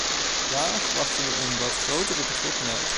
Daarom verwachten we een wat grotere betrokkenheid.